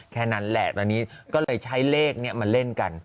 แค่นั้นอย่างนี้ก็เลยใช้เลขมาเล่นกัน